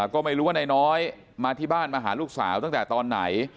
ก็ไม่รู้ว่านายน้อยมาที่บ้านมาหาลูกสาวตั้งแต่ตอนไหน